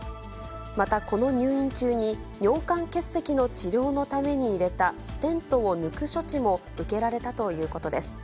また、この入院中に、尿管結石の治療のために入れたステントを抜く処置も受けられたということです。